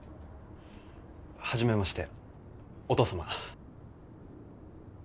初めましてお父様。